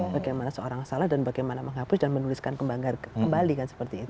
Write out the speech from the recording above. bagaimana seorang salah dan bagaimana menghapus dan menuliskan kembali kan seperti itu